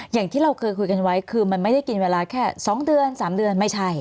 อย่างที่เราเคยคุยกันไว้คือมันไม่ได้กินเวลาแค่๒เดือน๓เดือนไม่ใช่